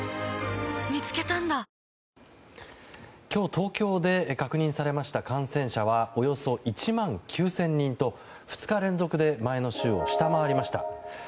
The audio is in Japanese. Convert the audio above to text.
今日、東京で確認されました感染者はおよそ１万９０００人と２日連続で、前の週を下回りました。